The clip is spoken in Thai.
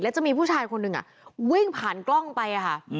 จะมีผู้ชายคนหนึ่งวิ่งผ่านกล้องไปค่ะ